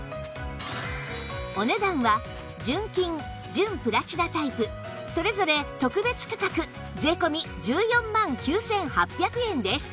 お値段は純金・純プラチナタイプそれぞれ特別価格税込１４万９８００円です